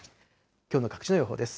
きょうの各地の予報です。